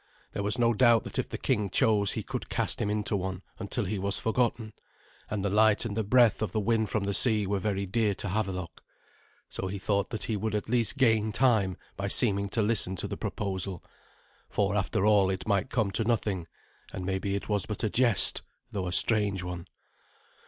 There was no doubt that if the king chose he could cast him into one until he was forgotten; and the light and the breath of the wind from the sea were very dear to Havelok. So he thought that he would at least gain time by seeming to listen to the proposal; for, after all, it might come to nothing, and maybe it was but a jest, though a strange one.